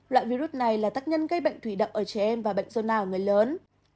loại virus này là tác nhân gây bệnh thủy đậu ở trẻ em và bệnh zona ở người lớn